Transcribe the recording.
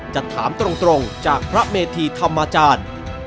จะถามตรงจากพระเมธีธรรมจารย์